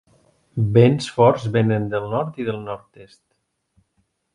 Vents forts venen del nord i del nord-est.